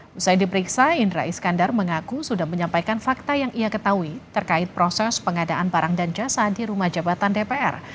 setelah diperiksa indra iskandar mengaku sudah menyampaikan fakta yang ia ketahui terkait proses pengadaan barang dan jasa di rumah jabatan dpr